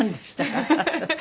ハハハハ！